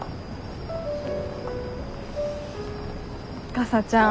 かさちゃん。